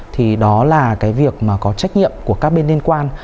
thì đó là cái việc mà có trách nhiệm của các bên liên quan